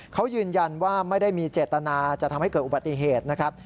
เขายืนยันว่าไม่ได้มีเจตนาจะทำให้เกิดอุบัติเหตุนะครับ